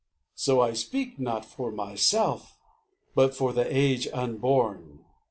So I speak Not for myself, but for the age unborn.